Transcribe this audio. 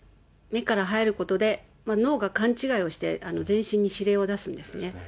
目から入ることで、脳が勘違いをして、全身に指令を出すんですね。